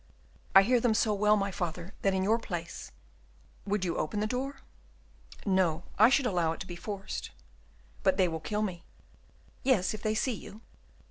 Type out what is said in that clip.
"I hear them so well, my father, that in your place " "You would open the door?" "No, I should allow it to be forced." "But they will kill me!" "Yes, if they see you."